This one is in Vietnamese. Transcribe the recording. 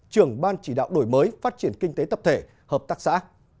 trưởng ban chỉ đạo đổi mới phát triển kinh tế tập thể hợp tác xã